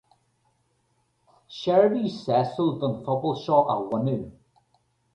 Seirbhís sásúil don phobal seo a bhunú.